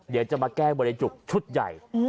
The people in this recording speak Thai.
เดี๋ยวจะมาแก้บริจุกชุดใหญ่